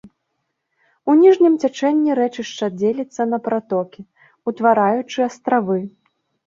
У ніжнім цячэнні рэчышча дзеліцца на пратокі, утвараючы астравы.